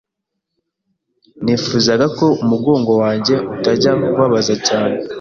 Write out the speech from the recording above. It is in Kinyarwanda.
Nifuzaga ko umugongo wanjye utajya ubabaza cyane.